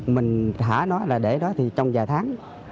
mình thả nó là để đó thì trong vài tháng